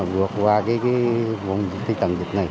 vượt qua vùng tầng dịch này